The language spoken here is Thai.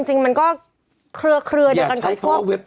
จริงมันก็เครือ